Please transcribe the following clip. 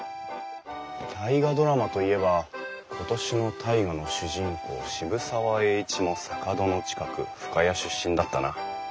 「大河ドラマ」と言えば今年の「大河」の主人公渋沢栄一も坂戸の近く深谷出身だったな。